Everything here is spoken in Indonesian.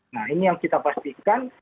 nah ini yang kita pastikan